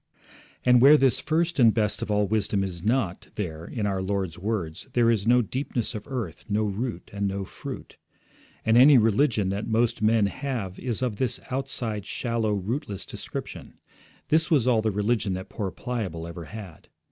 And where this first and best of all wisdom is not, there, in our Lord's words, there is no deepness of earth, no root, and no fruit. And any religion that most men have is of this outside, shallow, rootless description. This was all the religion that poor Pliable ever had.